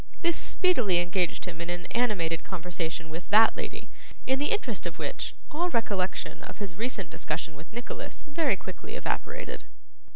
This speedily engaged him in an animated conversation with that lady, in the interest of which, all recollection of his recent discussion with Nicholas very quickly evaporated.